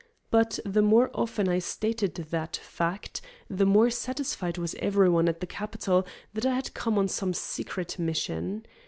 But the more often I stated that fact, the more satisfied was everyone at the capital that I had come on some secret mission.